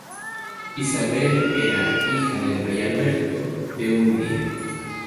Isabel era hija del rey Alberto de Hungría.